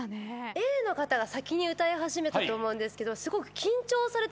Ａの方が先に歌い始めたと思うんですけど。